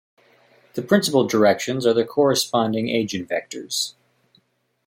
The principal directions are the corresponding eigenvectors.